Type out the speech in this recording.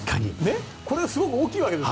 これ、すごく大きいわけで。